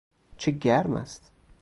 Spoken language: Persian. چه گرم است